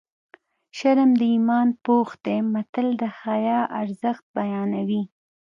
شرم د ایمان پوښ دی متل د حیا ارزښت بیانوي